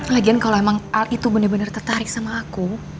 lagian kalau emang al itu benar benar tertarik sama aku